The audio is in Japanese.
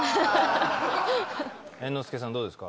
猿之助さんどうですか？